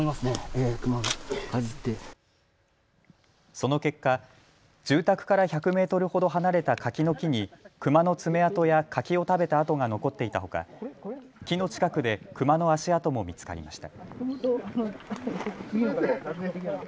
その結果、住宅から１００メートルほど離れた柿の木にクマの爪痕や柿を食べた跡が残っていたほか、木の近くでクマの足跡も見つかりました。